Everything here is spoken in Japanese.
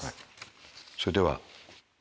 それでは。